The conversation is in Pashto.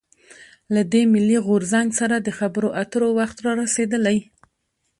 له دې «ملي غورځنګ» سره د خبرواترو وخت رارسېدلی.